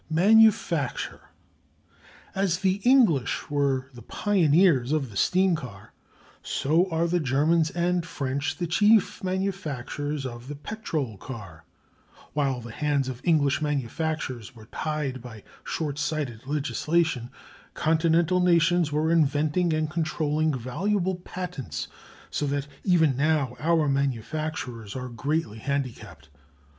Manufacture. As the English were the pioneers of the steam car, so are the Germans and French the chief manufacturers of the petrol car. While the hands of English manufacturers were tied by shortsighted legislation, continental nations were inventing and controlling valuable patents, so that even now our manufacturers are greatly handicapped.